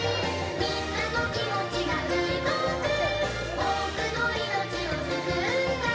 「みんなのきもちがうごく」「おおくのいのちをすくうんだ」